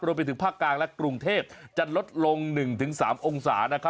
รวมไปถึงภาคกลางและกรุงเทพจะลดลง๑๓องศานะครับ